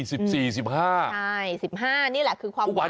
ใช่๑๕นี่แหละคือความหวัง